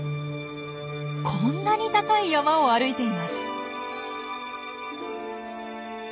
こんなに高い山を歩いています。